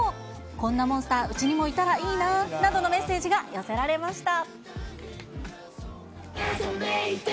こんなモンスター、うちにもいたらいいななどのメッセージが寄せられました。